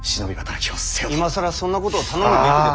今更そんなことを頼むべきでは。